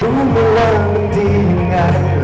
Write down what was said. รู้ไม่ว่ามันดียังไง